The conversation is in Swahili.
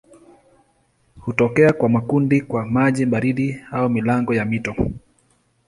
Hutokea kwa makundi kwa maji baridi au milango ya mito.